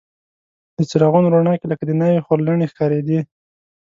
د څراغونو رڼا کې لکه د ناوې خورلڼې ښکارېدې.